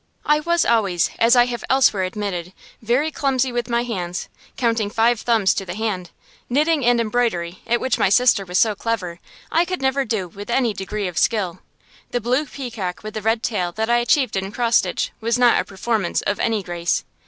I was always, as I have elsewhere admitted, very clumsy with my hands, counting five thumbs to the hand. Knitting and embroidery, at which my sister was so clever, I could never do with any degree of skill. The blue peacock with the red tail that I achieved in cross stitch was not a performance of any grace.